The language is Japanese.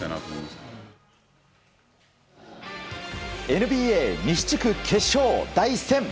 ＮＢＡ西地区決勝第１戦。